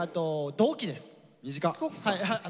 同期です。